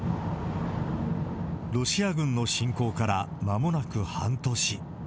ロシア軍の侵攻からまもなく半年。